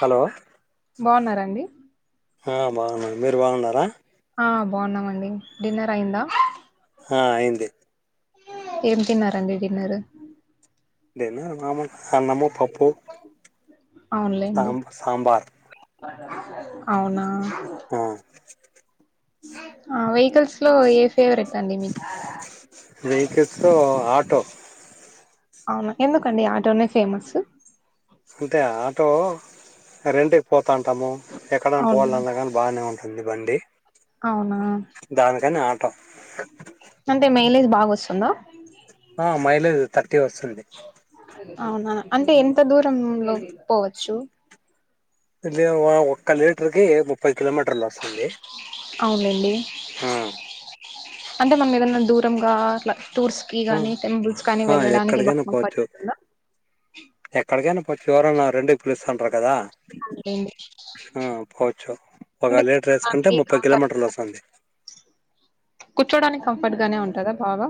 Hello బాగున్నారండి ఆ బాగున్నాను మీరు బాగున్నారా ఆ బాగున్నాం అండి డిన్నర్ అయిందా ఆ అయింది ఏమి తన్నార అండి డిన్నరు [unintelligible] అన్నము పప్పు అవునులేండి సాబ సాబార్ అవునా ఆ వెహికల్స్ లో ఏ ఫేవరెట్ అండి మీకీ టో అవునా ఎందుకండి ఆటోనే ఫేమస్ అంటే ఆటో రెంట్ కి పోతాంటాము ఎక్కడైనా పోవాల అవునులేండి అన్న కాని బాగానే ఉం అంది బండీ అవునా టో అంటే మైలేజ్ బాగా వస్తుందా ఆ మైలేజ్ థర్టీ వస్తుంది అవునా అంటే ఎంత దూర లో పోవచ్చు ఇది ఒక్క లీటర్కి ముప్పై కిలోమీటర్లు వస్తుంది అవును లెండి ఆ అంటే మనం ఏదన్నా దూరంగా అట్లా టూర్స్ కి ఆ గానీ టెంపుల్స్ కానీ ఆ వెళ్ళడానికి బాగా [unintelligible] ఎక్కడికనా చివరన రెండే ప్రస్ అంటారు కదా అవునులేండి ఆ పోవచ్చు అంటే ఒక లీటర్ వేసుకుంటే కూర్చోడానికి ముప్పై కిలోమీటర్లు కంఫర్ట్ వస్తుంది కూర్చోడానికి కంఫర్ట్ గానే ఉంటదా బాగా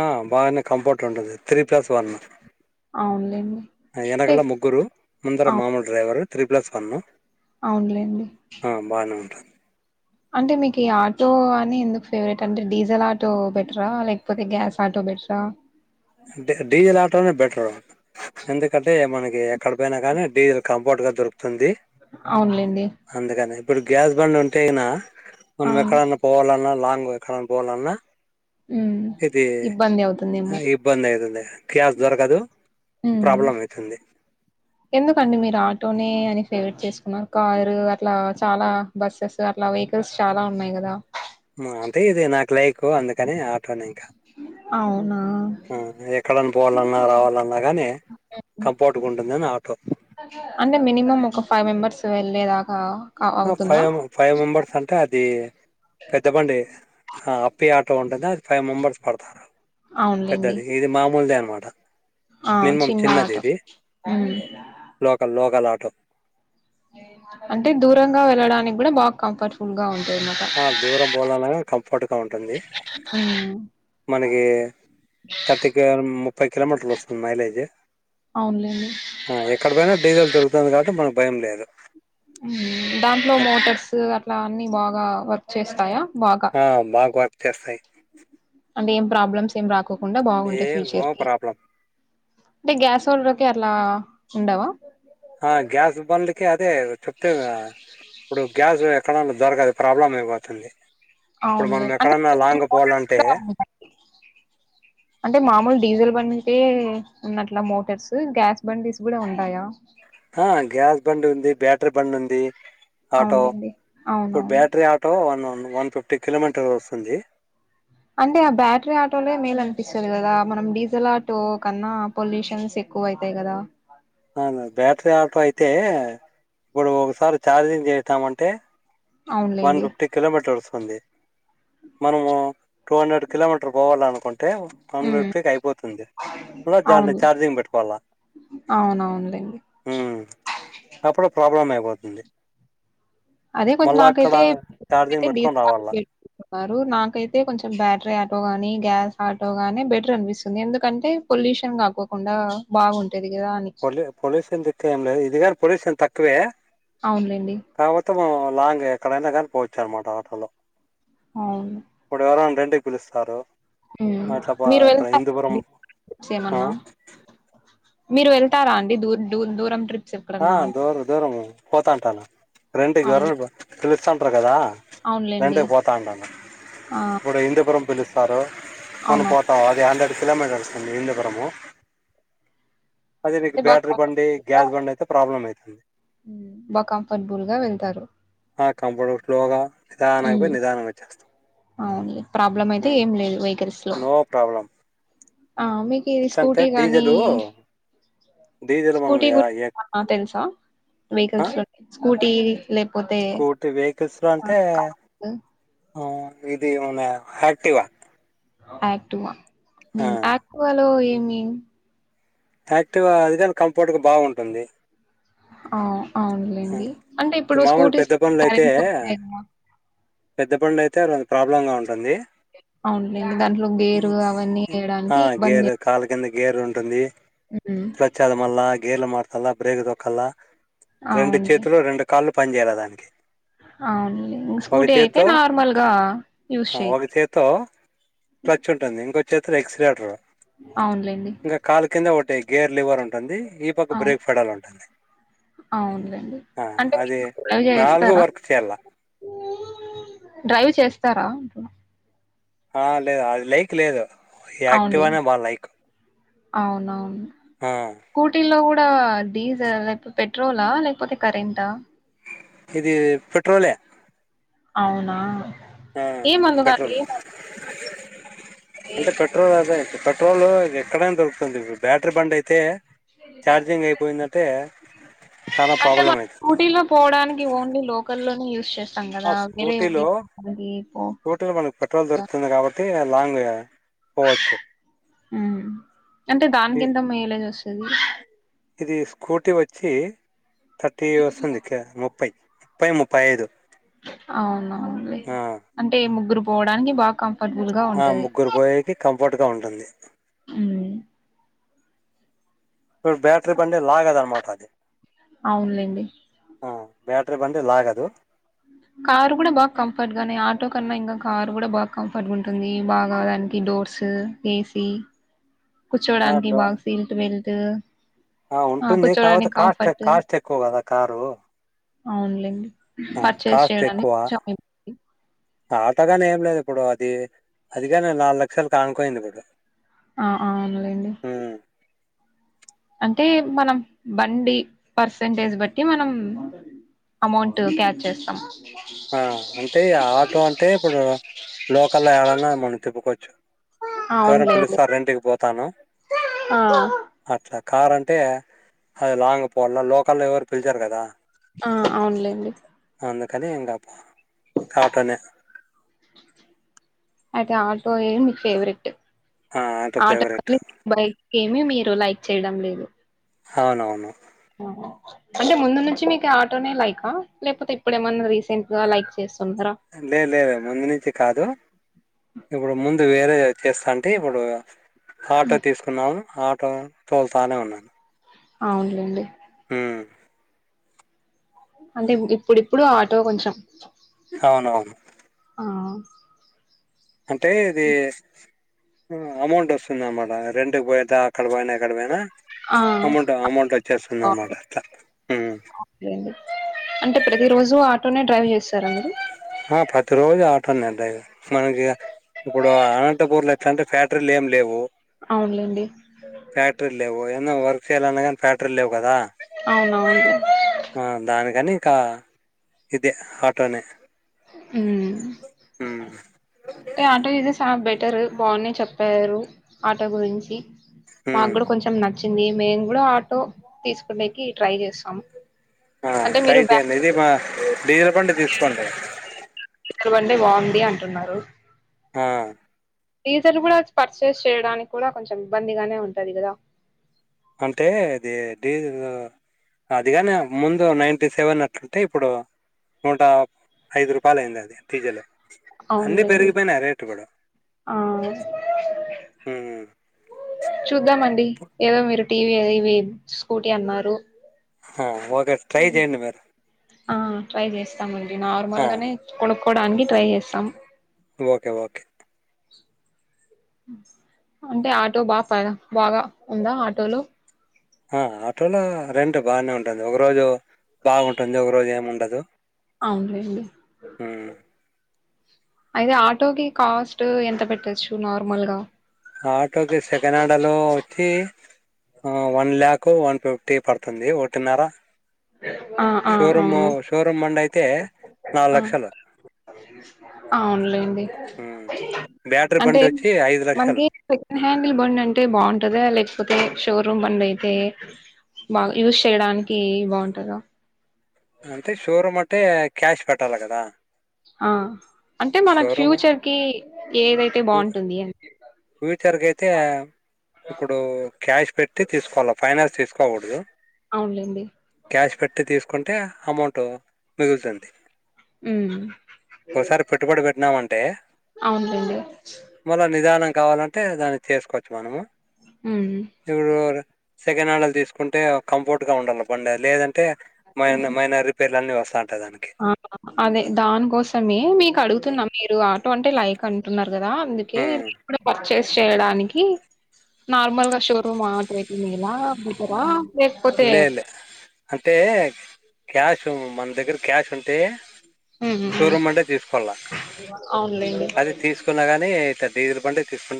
ఆ బాగానే కంఫర్ట్ ఉంటది త్రీ ప్లస్ వన్న అవునులేండి అంటే వెకలా ముగ్గురు ముందర అవు మామూలు డ్రైవరు త్రీ ప్లస్ వన్న అవునులేండి ఉంటుంది అంటే మీకు ఈ ఆటో అని ఎందుకు ఫేవరెట్ అంటే డీజిల్ ఆటో బెటరా లేకపోతే గ్యాస్ ఆటో బెట్రా ఆ డీజిల్ ఆటోనే బేటా ఎందుకంటే మనకి ఎక్కడ పోయిన గాని డీజిల్ కంఫర్ట్ గా దొరుకుతుంది తుంది అవునులేండి అందుకనే ఇప్పుడు గ్యాస్ బండ్ ఉంటేగిన మనం అవును ఎక్కడన్నా పోవాలన్నా నువ్ ఎక్కడన్ పోవాలన్న ఉ ఇబ్బంది అవుతుందేమో ప్యాస్ దొరకదు ప్రాబ్లం అవుతుంది ఎందుకండి మీరా ఆటో నే అని ఫేవరట్ చేసుకున్నారు కారు ఇట్లా చాలా బస్సెస్ అట్లా వెకిల్స్ చాలా ఉన్నాయి కదా అంటే ఇది నాకు లైక్ అందుకని ఆటో నే అవును ఎక్కడనా పోవాలన్నా రావాలన్నా కానీ హ్మ్. కంపోర్టుగ ఉంటుందని ఆటో అంటే మినిమం ఒక ఫైవ్ మెంబర్స్ వెళ్లేదాకా ఆ ఫైవ్ ఫైవ్ మెంబర్స్ అంటే అది పెద్ద బండి ఆ అప్పి ఆటో ఉంటు ఫైవ్ మెంబర్స్ పడతారు అవునులేండి పెద్దది ఇది మామూలుదే అను వాడ ఆ మినిమం చిన్న చిన్నది ఆటో ఇది ఉమ్ లోకల్ లో గలాటో అంటే దూరంగా వెళ్ళడానికి కూడా బాగ్ కంఫర్టబుల్ గా ఉ ఆ దూరం పోవాళ్ళన్న కంఫర్ట్గా ఉంటుంది ఉమ్ మనకి థర్టీ ముప్పై కిలోమీటర్లు వస్తుంది మైలేజ్ అవునులేండి ఎక్కడ పోయినా డీజిల్ దొరుకుతంది కాబట్టి మన భయం లేదు దాంట్లో మోటార్స్ అట్లా అన్ని బాగు గా వర్క్ చేస్తాయా బాగా ఆ బగ్వ చస్తా అంటేం ప్రాబ్లమ్స్ ఏం రాద్ కోకుండా ఏ బాగుంటాయి నో ఫ్యూచర్ కి ప్రాబ్లం అంటే గ్యాస్ ఒలర్కి అలా ఉండవా ఆ గ్యాస్ బండ్కి అదే చెప్తిని కదా ఇప్పుడు గ్యాస్ [unintelligible] లో దొరకదు ప్రాబ్లమ్ం అయిపోతుంది ఇప్పుడు అవునులే మనం అంటే ఎక్కడన్నా లాంగ్ మోటార్స్ పోవాలంటే కూడా ఉంటాయి అంటే మామూలు డీజిల్ బంటే ఉన్నట్లా మోటార్స్ గ్యాస్ బండీస్ కూడా ఉంటాయా ఆ గ్యాస్ బండ్ ఉంది బ్యాటరీ బండ్ ఉంది ఆటో అవునులేండి ఇప్పుడు అవునవును బ్యాటరీ ఆటో వన్ వన్న వన్ ఫిఫ్టీ కిలోమీటర్లు వస్తుంది అంటే ఆ బ్యాటరీ ఆటోలే మేలు అనిపిస్తుంది కదా మనం డీజిల్ ఆటో కన్నా పొల్యూషన్స్ ఎక్కువ అవుతాయి కదా [unintelligible] బ్యాటరీ ఆటో అయితే ఇప్పుడు ఒకసారి ఛార్జింగ్ చేస్తాం అంటే తే వన్ అవునులేండి ఫిఫ్టీ కిలోమీటర్స్ మనము టూ హండ్రెడ్ కిలోమీటర్ పోవాల అనుకుంటా అంటే వన్ ఉమ్ ఫిఫ్టీ కి అయిపోతుంది [unintelligible] చార్జింగ్ పెట్టుకోవాలా అవునవునలేండి పోతుంది అదే కొంచం నాకైతే పెట్టుకొని రావాల వారు నాకైతే కొంచెం బ్యాటరీ ఆటో గాని గ్యాస్ ఆటో గాని బెటర్ అనిపిస్తుంది ఎందుకంటే పొల్యూషన్ కాకోకుండా బాగుంటంది పొల్యూ పొల్యూషన్ [unintelligible] ఏం లేదు ఇది గణ పొల్యూషన్ తక్ తవే అవునులేండి కాకపోతే లాంగ్ ఎక్కడైనా గానీ పోవచూ అనమాట ఆటో లో అవును అప్పుడ [unintelligible] గులుస్తారు మీరు వెళ్తా ఆ చేయమన్నా మీరు వెళ్తారా అండి దూర్ దూర్ దూరం ట్రిప్ ఆ దూరం దూరం పోతాంటానా రెంటిగారు అవును పిలుస్త అంటారు కదా అంటారు కదా రెంట్ అవునులేండి కి పోతంటన్న ఆ ఇప్పుడు హిందుపురం పిలుస్తారో మనం అవునవును. పోతా అది హండ్రెడ్ కిలోమీటర్స్ అండి విందపురము అదే అంటే బాగా బ్యాటరీ బండి గ్యాస్ బండయితే ప్రాబ్లమ్ లేద్ హు బా కంఫర్టబుల్ గా వెళ్తారు కంప్యూటర్ స్లోగా నిదానంగా హమ్ పోయి నిదానంగా వచ్చేస్తాం అవును లే ప్రాబ్లం అయితే ఏం లేదు వెహికిల్స్ లో నో ప్రాబ్లం ఆ మీకు ఇది ఎట్లా అంటే స్కూటీ గాని డీజిలు డీజిల్ మనం స్కూటీ యా- ఎ- గురించి తెలుసా వెహికల్స్ కూటి స్కూటి వెహికిల్స్ లో అంటే కారు, ఆ ఇది మన యాక్టివ యాక్టివ మ్ ఆక్వాలో ఎ మీన్ యాక్టివ అదికూడా కంఫర్టగ బావుంటుంది ఔ అవునులేండి అంటే ఈ ఇప్పుడు మామూలు స్కూటీస్ పెద్ద పనులు అయితే కరెంట్ [inaudible] ప్రాబ్లమ్ గ ఉంటుంది అవునులేండి దాంట్లో గేరు ఇది, అవన్నీ వేయడానికి ఇబ్బంది టుంది హ్మ్. క్లచ్చద మల్ల గేర్లు మార్ మల్లా బ్రేక్ దొక్కల్ల రెండు అవునులే. చేతులు రెండు కాళ్ళు పని జేయాల దానికి అవునులే ఒక స్కూటీ అయితే చేత్తో నార్మల్గా యూస్ ఆ, చేయ ఒక చెతిలో ఎక్సలేటర్ అవునులేండి టే గేర్ లివర్ ఉంటుంది ఈ పక్క అవును బ్రేక్ ఫెడల్ ఉంటుంది అవునులేండి ఆ అంటే అది మీకు [inaudible] నాలుగు చేస్తారా వర్క్ చేయాల డ్రైవ్ చేస్తారా అంటున్నా ఆ లేదు అది లైక్ లేదు యాక్టివా నే అవునులేండి బా లైక్ అవునవును ఆ కూటి లో డా డీజిల్ లేకపోతే పెట్రోలా లేకపోతే కరెంటా ఇది పెట్రోలే అవునా ఆ ఏమందుకు అది పెట్రోల్ అంటే పెట్రోల్ అదేతు పెట్రోల్ ఎక్కడైనా దొరుకుతుంది ఇప్పుడు బ్యాటరీ బండ్ అయితే ఛార్జింగ్ అయిపోయిందంటే చాలా అంటే ప్రాబ్లం మనం అవుతుంది స్కూటీలో పోవడానికి ఓన్లీ లోకల్ లో పి యూస్ చేస్ ఆ స్కూటీలో పో స్కూటీలో మనకు పెట్రోల్ దొరుకుతుంది కాబట్టి లాంగే పోవచ్చు మ్ అంటే ఇ- దానికెంత మైలేజొస్ [unintelligible] ఇది స్కూటీ వచ్చి థర్టీ వస్తుందిక ముప్పై ముప్పై ముప్పై ఐదు అవునవునులే ఆ అంటే ముగ్గురు పోవడానికి బాకం ఆ ముగ్గురు పోయేకి కంఫర్ట్ గా ఉంటుంది మ్ ఇ బ్యాట్రి బండి లాగదనమాటది అవునులేండి ఆ బ్యాట్రి బండి లాగదు కారు కూడా బాగా కంఫర్ట్ గానే ఆటో కన్నా ఇంకా కారు కూడా బాగా కంఫర్ట్గా ఉంటుంది బాగా దానికి డోర్స్ ఏసీ ఆ కుర్చోడానికి డ బాగ సీల్ట్ బెల్ తు ఆ ఉంటుంది కాకపోతే కాస్ట్ కాస్ట్ ఎక్కుద కదా కారు అవునులేండి ఆ పర్చేస్ చేయడానికి కొంచం ఆటోగానీ ఏం లేదిప్పుడు అది అది కానీ నాలుగు లక్షలు కానుకునింది కదా ఆ అవునులేండి అంటే మనం బండి పర్సంటేజ్ బట్టి మనం అమౌంట్ క్యాచ్ చేస్తాం ఆ అంటే ఆటో అంటే ఇప్పుడు లోకల్ లో యాడన్నా మనం తిప్పుకోవచ్చు ఎవరో అవునులేండి పిలుస్తారు రెంట్ కి పోతాను ఆ అట్లా కార్ అంటే అది లాంగ్ పోవాల లోకల్లో ఎవరు పిల్చరు కదా ఆ అవునులేండి అందుకని ఇంగ ప్ప కాటో నే ఐతే ఆటో ఏ మీకు ఫేవరెట్ ఆ, ఆటో ఫేవరెట్ [inaudible] ఏమి మీరు లైక్ చేయడం లేదు అవునవును అంటే ముందు నుంచి మీకు ఆటోనే లైకా లేకపోతే ఇప్పుడేమన్నానా రీసెంట్ గా లైక్ చేస్ లే లేవ ముందు నించి కాదు ఇప్పుడు ముందు ఇ వేరే చేస్తాంటి ఇప్పుడు ఆటో తీసుకున్నావు ఆ తోల్తానే ఉన్నాను అవున్లేండి హ్మ్ అంటే ఇప్పుడిప్పుడు ఆటో కొంచెం అవునవును ఆ అంటే ఇది అమౌంట్ వస్తుందన్నామాట రెంట్కి పోతె అక్కడ పోయినా ఎక్కడ పోయినా ఆ అమౌంట్ అమౌంట్ వచ్చేస్తుంది అన్నమాట బావుంటది. అలా అవునులేండి అంటే ప్రతి రోజు ఆటోనే డ్రైవ్ చేస్తార అండి తన్నే డ్రైవ మనకి ఇప్పుడు అనంటపూర్ల ఎట్లంటే ఫ్యాక్టరీలు ఏం లేవు అవునులేండి ఫ్యాక్టరీ లేవో న్న వర్క్ చేయ్యాలన్నా కానీ ఫ్యాక్టరీ లేవు కదా అవును అవున్లే ఆ దానికని కా ఇదే ఆటోనే హ్మ్ ఉమ్ టే ఆటో ఇదే సా బె అట్టారు బానే చెప్పారు ఆటో గురించి మా ఉమ్ కూడా కొంచెం న వచ్చింది మేము కూడా ఆటో తీసుకునేకి ట్రై చేస్తాం ఆ ట్రై చేయండి ఇది మా డీజిల్ బండి తీసుకోండి జల్ బండి బాంది అంటున్నారు ఆ డీజర్ కూడా పర్చేజ్ చేయడానికి కూడా కొంచెం ఇబ్బందిగానే ఉంటాది కదా అంటే ఇది డీజిల్ అది కాని ముందు నైన్టీ సెవెన్ అట్లుంటే ఇప్పుడు నూట ఐదు రూపాయలు అయింది అది డీజిల్ అన్నీ అవున్లేండి పెరిగిపోయినాయి రేట్లు కూడా ఆ ఉమ్ చూద్దామండి ఏదో మీరు టీవీ ఇవి స్కూటీ అన్నారు హు ఒ ఇగ ట్రై చేయండి మీరు ఆ ట్రై చేస్తాం మ ఆ! నార్మల్ గానే కొ కోడానికి ట్రై చేస్తాం ఓకే ఓకే అంటే ఆటో బాగా బాగా ఉందా ఆటోలు ఆ ఆటోలో రెంట్ బాగానే ఉంటుంది ఒక రోజు బాగుంటుంది ఒక రోజు ఏమి ఉండదు దు అవున్లేండి అయితే ఆటోకి కాస్ట్ ఎంత పెట్టొచ్చు నార్మల్గా ఆటోకి సెకండ్ హ్యాండ్లో వచ్చి వన్ లాక్ వన్ ఫిఫ్టీ పడుతుంది ఒకటిన్నర ఆ ఆ షోరూమ్ అవును షోరూమ్ బండి అయితే నాలుగు లక్షలు ఆ అవునులేండి బ్యాటరీ అంటే బండి వచ్చి ఐదు లక్షలు మనకి సెకండ్ హ్యాండిల్ బండి అంటే బాగుంటందా లేకపోతే షోరూమ్ బండి అయితే బాగా యూజ్ చేయడానికి బాగుంటు ఉంటద అంటే షోరూమ్ అంటే క్యాష్ పెట్టాల్ల కదా ఆ అంటే మనకు షోరూమ్ ఫ్యూచర్కి ఏదైతే బాగుంటుంది అని ఫ్యూచర్కి అయితే ఇప్పుడు క్యాష్ పెట్టి తీసుకోవాలి ఫైనాన్స్ తీసుకోకూడదు అవున్లేండి క్యాష్ పెట్టి తీసుకుంటే అమౌంట్ మిగులుతుంది ఉమ్ ఓ సారి పెట్టుబడి పెట్నామా టే అవున్లేండి నిదానం కావాలంటే దాన్ని చేసుకోచ్చు మనము ఉమ్ ఇవురొరె సెకండ్ హ్యాండిల్ తీసుకుంటే కంఫర్ట్ గా ఉండాల్ల బండి లేదంటే అంటే మ మైన రిపేర్లన్న వస్త అదే దానికోసమే మీకు అడుగుతున్నా ఉమ్. మీరు ఆటో అంటే లైక్ కంటున్నా దా అందుకే ఉమ్. పా చేేస్ చేయడానికి నార్మల్ గా షోరూమ్ మా [unintelligible] బెటరా లేకపోతే లే లే అంటే క్యాష్ మన దగ్గర క్యాష్ ఉంటే హ్మ్. హ్మ్. హ్మ్. షోరూమ్ అంటే తీసుకొల్ల అవునులేండి అది తీసుకున్నా గాని డిజిల్ బండే తీసుకు